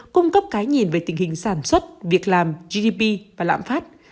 cung cấp cái nhìn về tình hình sản xuất việc làm gdp và lãm phát